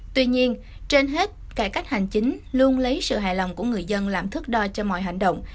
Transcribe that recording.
tuy nhiên trên hết cải cách hành chính luôn lấy sự hài lòng của người dân làm thước đo cho mọi hành động